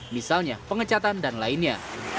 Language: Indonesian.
misalnya pengecatan dan lainnya